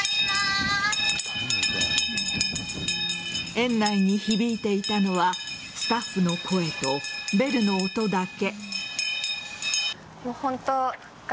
園内に響いていたのはスタッフの声とベルの音だけ。